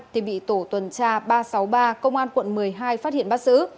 khi đến địa bàn phường thới an bị tổ tuần tra ba trăm sáu mươi ba công an quận một mươi hai phát hiện bắt giữ